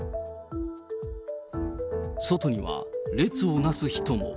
外には列をなす人も。